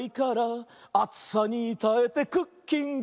「あつさにたえてクッキング」